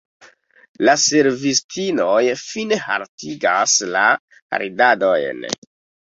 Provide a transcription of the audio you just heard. La servistinoj fine haltigas la ridadojn.